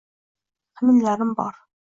Taxminlarim bor